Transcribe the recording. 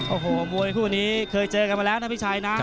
โอ้โหมวยคู่นี้เคยเจอกันมาแล้วนะพี่ชัยนะ